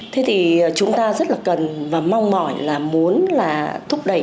thế thì chúng ta rất là cần và mong mỏi là muốn là thúc đẩy